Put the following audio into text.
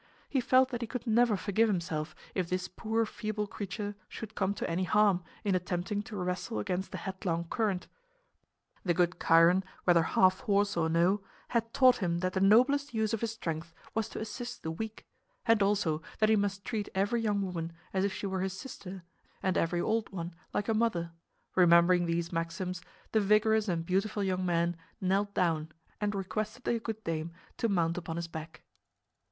He felt that he could never forgive himself if this poor feeble creature should come to any harm in attempting to wrestle against the headlong current. The good Chiron, whether half horse or no, had taught him that the noblest use of his strength was to assist the weak; and also that he must treat every young woman as if she were his sister and every old one like a mother. Remembering these maxims, the vigorous and beautiful young man knelt down and requested the good dame to mount upon his back.